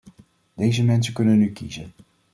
Deze mensen kunnen nu kiezen.